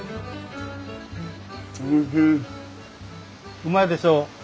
うまいでしょ？